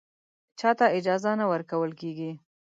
چا ته اجازه نه ورکول کېږي